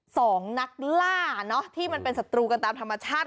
สองนักล่าเนอะที่มันเป็นศัตรูกันตามธรรมชาติ